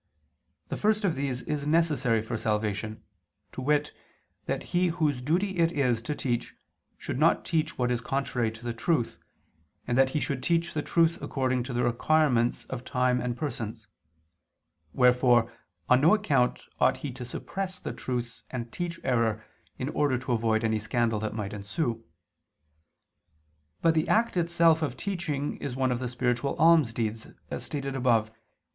The first of these is necessary for salvation, to wit, that he whose duty it is to teach should not teach what is contrary to the truth, and that he should teach the truth according to the requirements of times and persons: wherefore on no account ought he to suppress the truth and teach error in order to avoid any scandal that might ensue. But the act itself of teaching is one of the spiritual almsdeeds, as stated above (Q.